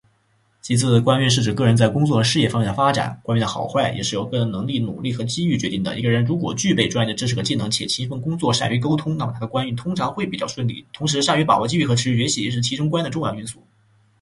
其次，官运是指个人在工作和事业方面的发展。官运的好坏也是由个人的能力、努力和机遇决定的。一个人如果具备专业的知识和技能，且勤奋工作、善于沟通，那么他的官运通常会比较顺利。同时，善于把握机遇和持续学习也是提升官运的重要因素。